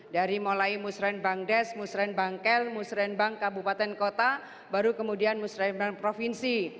dari mulai musrembang desk musrembang kel musrembang kabupaten kota baru kemudian musrembang provinsi